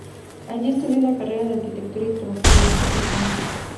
Allí estudió la carrera de Arquitectura y trabajó durante tres años.